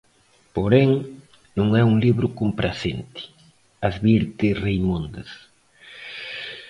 Porén, "non é un libro compracente", advirte Reimóndez.